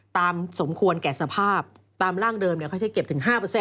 สมควรแก่สภาพตามร่างเดิมเขาใช้เก็บถึง๕